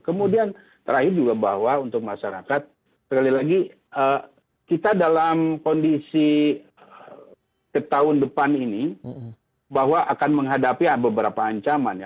kemudian terakhir juga bahwa untuk masyarakat sekali lagi kita dalam kondisi ke tahun depan ini bahwa akan menghadapi beberapa ancaman ya